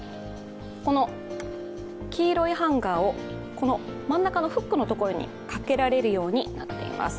この、黄色いハンガーを真ん中のフックのところに掛けられるようになっています。